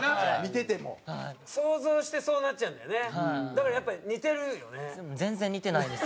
だからやっぱり似てるよね。